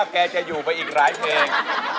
แกจะอยู่ไว้อีกหลายเมือง